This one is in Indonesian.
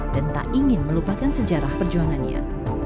dan tak ingin melupakan sejarah perjuangannya